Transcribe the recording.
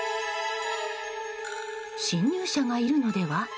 侵入者がいるのでは？